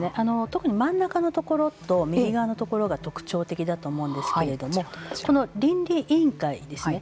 特に真ん中のところと右側のところが特徴的だと思うんですけれどもこの倫理委員会ですね